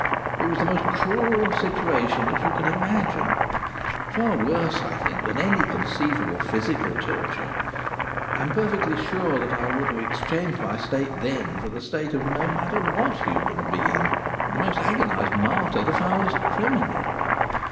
It was the most cruel situation that you can imagine; far worse, I think, than any conceivable physical torture. I am perfectly sure that I would have exchanged my state, then, for the state of no matter what human being, the most agonized martyr, the foulest criminal.